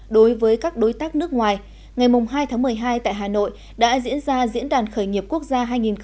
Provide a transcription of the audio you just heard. đối với các đối tác nước ngoài ngày hai tháng một mươi hai tại hà nội đã diễn ra diễn đàn khởi nghiệp quốc gia hai nghìn một mươi chín